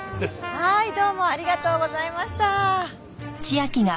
はーいどうもありがとうございました。